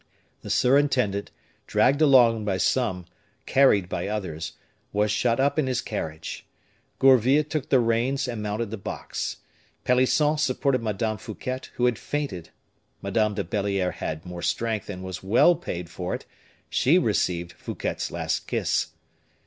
The surintendant, dragged along by some, carried by others, was shut up in his carriage. Gourville took the reins, and mounted the box. Pelisson supported Madame Fouquet, who had fainted. Madame de Belliere had more strength, and was well paid for it; she received Fouquet's last kiss.